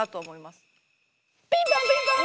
ピンポンピンポン！